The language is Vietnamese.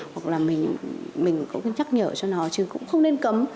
hoặc là mình cũng nhắc nhở cho nó chứ cũng không nên cấm